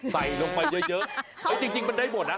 ใส่ลงไปเยอะเอาจริงมันได้หมดนะ